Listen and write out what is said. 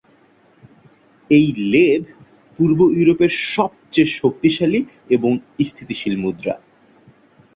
এই লেভ পূর্ব ইউরোপের সবচেয়ে শক্তিশালী এবং স্থিতিশীল মুদ্রা।